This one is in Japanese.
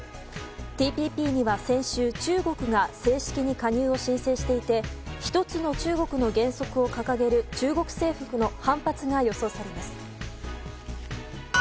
ＴＰＰには先週、中国が正式に加入を申請していて一つの中国の原則を掲げる中国政府の反発が予想されます。